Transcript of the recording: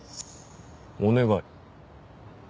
お願い？